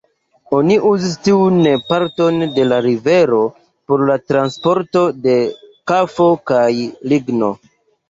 Oni uzis tiun parton de la rivero por la transporto de kafo kaj ligno.